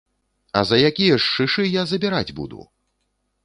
А за якія ж шышы я забіраць буду?!